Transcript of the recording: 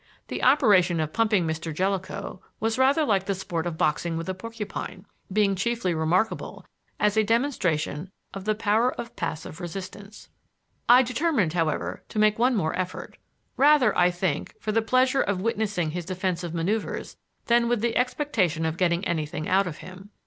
The operation of pumping Mr. Jellicoe was rather like the sport of boxing with a porcupine, being chiefly remarkable as a demonstration of the power of passive resistance. I determined, however, to make one more effort, rather, I think, for the pleasure of witnessing his defensive maneuvers than with the expectation of getting anything out of him.